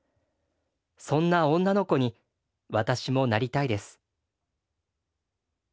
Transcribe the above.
そんな女の子に私もなりたいです。